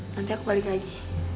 nanti aku balik lagi